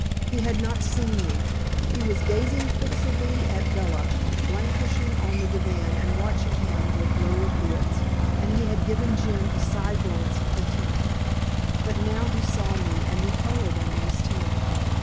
He had not seen me. He was gazing fixedly at Bella, languishing on the divan and watching him with lowered lids, and he had given Jim a side glance of contempt. But now he saw me and he colored under his tan.